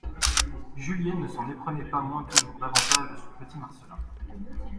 Julienne ne s'en éprenait pas moins toujours davantage de «son petit Marcelin».